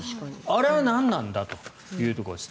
あれは何なんだというところです。